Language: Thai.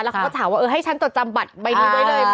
แล้วเค้าก็ถามว่าเออให้ฉันตรวจจำบัตรใบนี้ได้เลยไหม